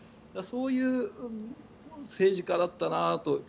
そういう政治家だったなと。